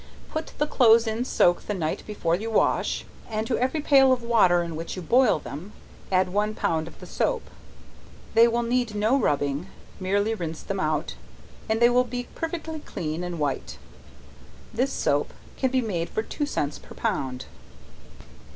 Put the clothes in soak the night before you wash, and to every pail of water in which you boil them, add one pound of the soap. They will need no rubbing, merely rinse them out, and they will be perfectly clean and white. This soap can be made for two cents per pound.